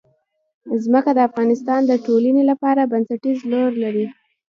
ځمکه د افغانستان د ټولنې لپاره بنسټيز رول لري.